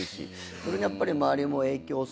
それにやっぱり周りも影響するってことは。